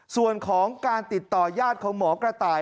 ส่วนของการติดต่อยาดของหมอกระต่าย